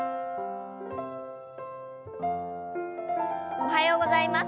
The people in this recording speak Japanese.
おはようございます。